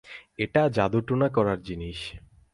এটা জাদুটোনা করার জিনিস।